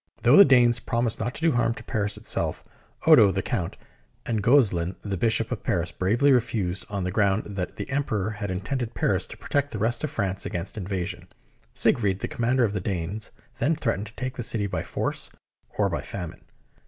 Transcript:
Though the Danes promised to do no harm to Paris itself, Odo, the Count, and Gozelin, the Bishop, of Paris, bravely refused on the ground that the Emperor had intended Paris to protect the rest of France against invasion. Siegfried, the commander of the Danes, then threatened to take the city by force or by famine.